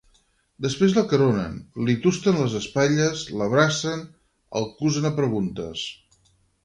Després l'acaronen, li tusten les espatlles, l'abracen, el cusen a preguntes.